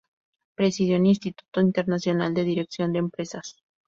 Presidió en Instituto Internacional de Dirección de Empresas.